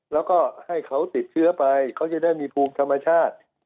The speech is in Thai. แล้วก็ให้เขาติดเชื้อไปเขาจะได้มีภูมิธรรมชาติ